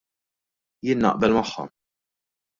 Jien naqbel magħha.